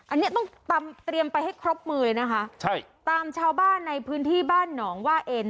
อันนี้ต้องตามเตรียมไปให้ครบมือเลยนะคะใช่ตามชาวบ้านในพื้นที่บ้านหนองว่าเอ็น